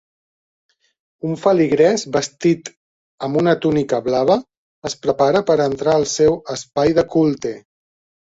Un feligrès vestit amb una túnica blava es prepara per entrar al seu espai de culte.